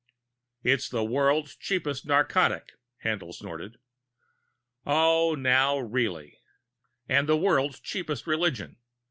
"It's the world's cheapest narcotic," Haendl snorted. "Oh, now, really " "And the world's cheapest religion.